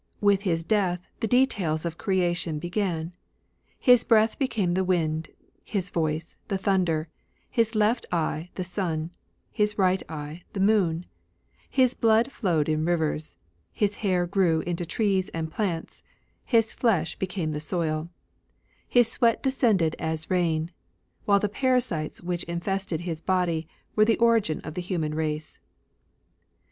With his death the details of creation began. His breath became the wind ; his voice, the thunder ; his left eye, the sun ; his right eye, the moon ; his blood flowed in rivers ; his hair grew into trees and plants ; his flesh became the soil ; his sweat descended as rain ; while the parasites which infested his body were the origin of the human race.